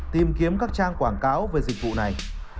tìm kiếm các trang quảng cáo về dịch vụ này